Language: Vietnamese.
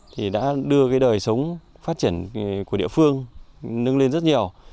thì đã đưa cái đời sống phát triển của địa phương nâng lên rất nhiều